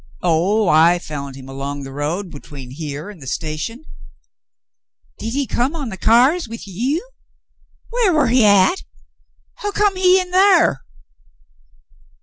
'*0h, I found him along the road between here and the station." "Did — did he come on the cyars with you? Whar war he at ? Hu come he in thar ?"